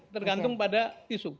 tergantung pada isu